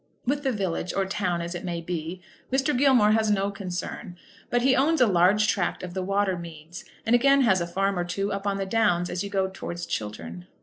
With the village, or town as it may be, Mr. Gilmore has no concern; but he owns a large tract of the water meads, and again has a farm or two up on the downs as you go towards Chiltern.